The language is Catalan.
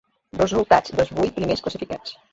Resultats dels vuit primers classificats.